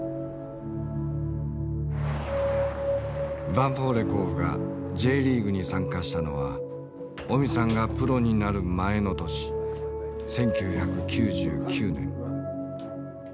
ヴァンフォーレ甲府がＪリーグに参加したのはオミさんがプロになる前の年１９９９年。